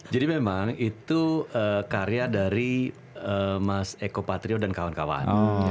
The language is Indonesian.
jadi memang itu karya dari mas eko patrio dan kawan kawan